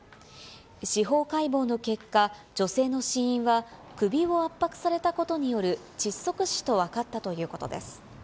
司法解剖の結果、女性の死因は首を圧迫されたことによる窒息死と分かったということです。